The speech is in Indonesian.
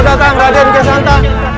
selamat datang raden kiansanta